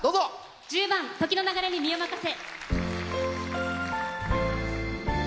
１０番「時の流れに身をまかせ」。